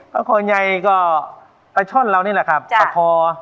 ปะโคไยก็ประชลเรานี่แหละครับปะคอ